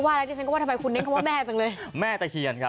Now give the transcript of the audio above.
อะไรที่ฉันก็ว่าทำไมคุณเน้นคำว่าแม่จังเลยแม่ตะเคียนครับ